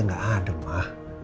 nggak ada ma